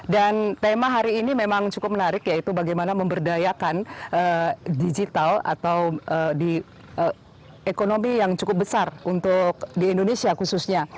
dan tema hari ini memang cukup menarik yaitu bagaimana memberdayakan digital atau ekonomi yang cukup besar untuk di indonesia khususnya